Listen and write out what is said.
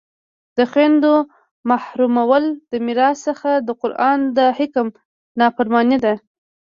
د خویندو محرومول د میراث څخه د قرآن د حکم نافرماني ده